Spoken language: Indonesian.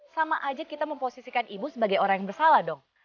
sama aja kita memposisikan ibu sebagai orang yang bersalah dong